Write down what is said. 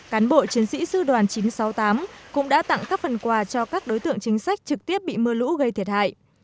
cán bộ chiến sĩ sư đoàn chín trăm sáu mươi tám cũng đã tặng các phần quà cho các đối tượng chính sách trực tiếp bị mưa lũ gây thiệt hại